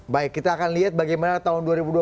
baik kita akan lihat bagaimana tahun dua ribu dua puluh